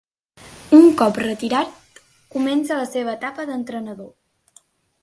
Un cop retirat començà la seva etapa d'entrenador.